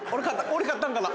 俺勝ったんかな？